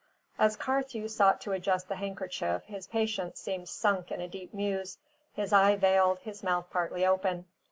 As Carthew sought to adjust the handkerchief, his patient seemed sunk in a deep muse, his eye veiled, his mouth partly open.